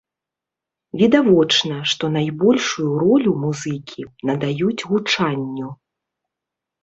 Відавочна, што найбольшую ролю музыкі надаюць гучанню.